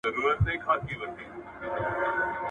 • پردى غوښه په ځان پوري نه مښلي.